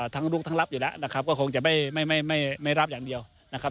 ทั้งลูกทั้งรับอยู่แล้วนะครับก็คงจะไม่รับอย่างเดียวนะครับ